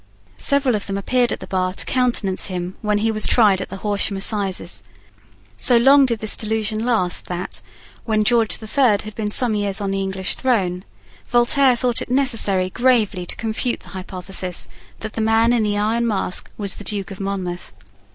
Several of them appeared at the bar to countenance him when he was tried at the Horsham assizes. So long did this delusion last that, when George the Third had been some years on the English throne, Voltaire thought it necessary gravely to confute the hypothesis that the man in the iron mask was the Duke of Monmouth.